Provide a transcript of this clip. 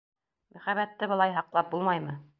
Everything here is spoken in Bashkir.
— Мөхәббәтте былай һаҡлап булмаймы?